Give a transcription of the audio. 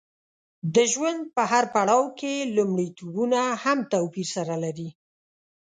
د ژوند په هر پړاو کې لومړیتوبونه هم توپیر سره لري.